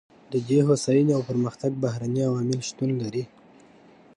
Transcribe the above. د دې هوساینې او پرمختګ بهرني عوامل شتون لري.